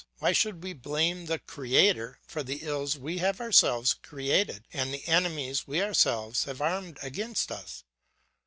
Why should we blame the Creator for the ills we have ourselves created, and the enemies we ourselves have armed against us?